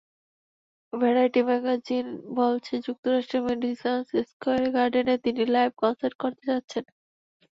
Variety magazine বলছে, যুক্তরাষ্ট্রের Madison square গার্ডেনে তিনি লাইভ কনসার্ট করতে যাচ্ছেন।